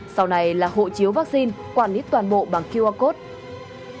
sau này là hộ chiếu vaccine quản lý toàn bộ bằng qr code